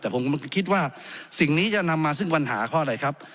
แต่ผมก็คิดว่าสิ่งนี้จะนำมาซึ่งปัญหาเพราะอะไรครับ